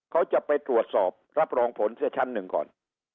เขาจะไปตรวจสอบรับรองผลเสียชั้นหนึ่งก่อน